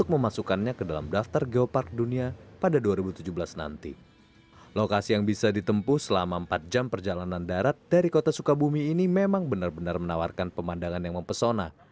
pembangunan dari kota sukabumi ini memang benar benar menawarkan pemandangan yang mempesona